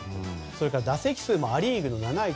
それから打席数もア・リーグ７位